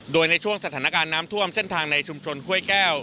โดยในช่วงสถานการณ์น้ำท่วมเส้นทางในชุมชนห้วยแก้ว